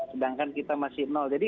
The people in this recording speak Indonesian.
sedangkan kita masih nol